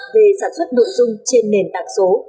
về sản xuất nội dung trên nền tảng số